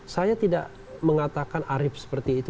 saya tidak mengatakan arief seperti itu